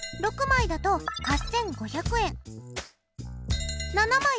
７枚だと１０５００円。